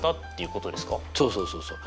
そうそうそうそう。